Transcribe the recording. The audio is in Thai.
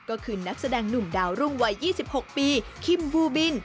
ก็คือนักแสดงหนุ่มดาวรุ่งวัย๒๖ปีคิมบูบิน